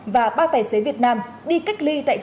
và ba tài xế việt nam đi cách ly tại trung